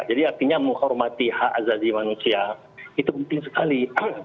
jadi artinya menghormati hak azazi manusia itu penting sekali